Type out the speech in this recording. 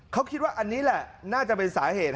เขาคิดว่าอันนี้แหละน่าจะเป็นสาเหตุ